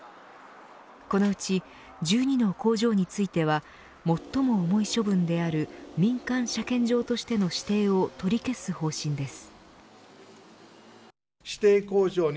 このうち１２の工場については最も重い処分である民間車検場としての指定を取り消す方針です。